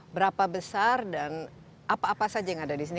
berapa besar dan apa apa saja yang ada di sini